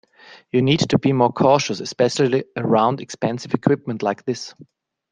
You need to be more cautious, especially around expensive equipment like this.